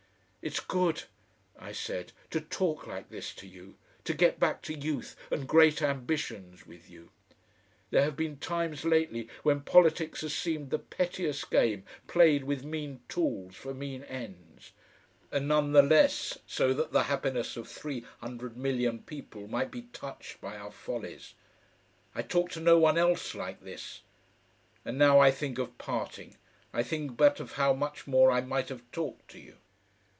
"It's good," I said, "to talk like this to you, to get back to youth and great ambitions with you. There have been times lately when politics has seemed the pettiest game played with mean tools for mean ends and none the less so that the happiness of three hundred million people might be touched by our follies. I talk to no one else like this.... And now I think of parting, I think but of how much more I might have talked to you."...